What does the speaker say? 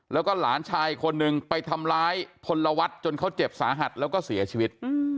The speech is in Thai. แล้วก็หลานชายอีกคนนึงไปทำร้ายพลวัฒน์จนเขาเจ็บสาหัสแล้วก็เสียชีวิต